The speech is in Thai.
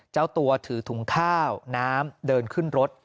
เจ้าตัวถือถุงข้าวน้ำเดินขึ้นรถ